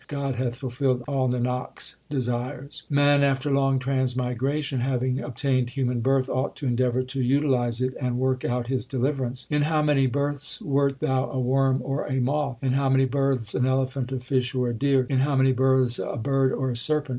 God hath fulfilled all Nanak s desires. Man after long transmigration having obtained human birth, ought to endeavour to utilize it and work out his deliverance : In how many births wert thou a worm or a moth ! In how many births an elephant, a fish, or a deer ! In how many births a bird or a serpent